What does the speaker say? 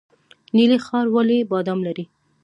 نیلي ښار ولې بادام لري؟